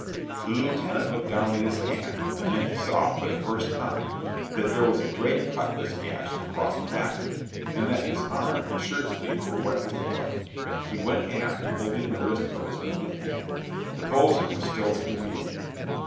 The lieutenant looked down at his hand, and then he saw, for the first time, that there was a great cutlass gash across the back of it, and that his arm and shirt sleeve were wet with blood. He went aft, holding the wrist of his wounded hand. The boatswain was still at the wheel.